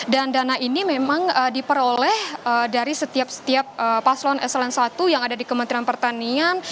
dan dana ini memang diperoleh dari setiap setiap paslon sln satu yang ada di kementerian pertanian